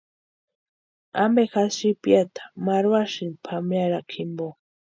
¿Ampe jásï sïpiata marhasïni pʼamearhakwa jimpo?